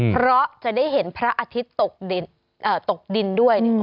เพราะจะได้เห็นพระอาทิตย์ตกดินด้วย